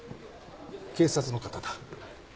警察の方だ。